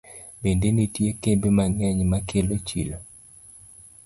Bende nitie kembe mang'eny ma kelo chilo.